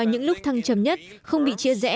những lúc thăng trầm nhất không bị chia rẽ